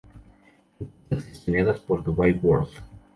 Empresas gestionadas por Dubai World